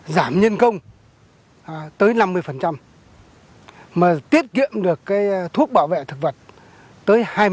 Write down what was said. giảm nhân công tới năm mươi mà tiết kiệm được thuốc bảo vệ thực vật tới hai mươi năm